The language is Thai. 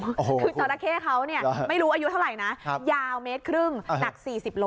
คือจอราเคเขาไม่รู้อายุเท่าไหร่นะยาว๑๕เมตรหนัก๔๐โล